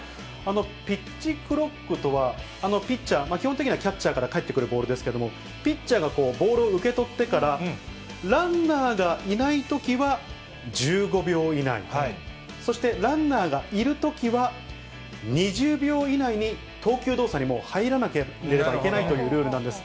ピッチクロックとは、ピッチャー、基本的にはキャッチャーから返ってくるボールですけれども、ピッチャーがボールを受け取ってから、ランナーがいないときは１５秒以内、そしてランナーがいるときは２０秒以内に、投球動作にもう入らなければいけないというルールなんです。